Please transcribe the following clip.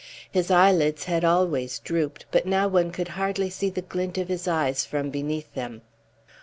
His eyelids had always drooped, but now one could hardly see the glint of his eyes from beneath them.